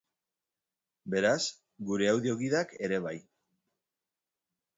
Beraz, gure audio-gidak ere bai.